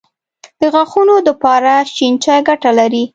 د غاښونو دپاره شين چای ګټه لري